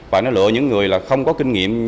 và nó lựa những người là không có kinh nghiệm